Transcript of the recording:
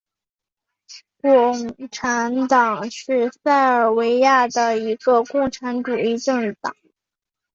共产党是塞尔维亚的一个共产主义政党。